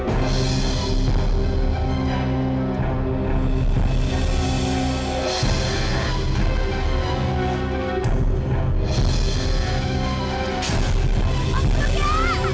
om gue nekat banget sih